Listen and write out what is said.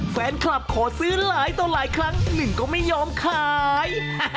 แฟนคลับขอซื้อหลายต่อหลายครั้งหนึ่งก็ไม่ยอมขาย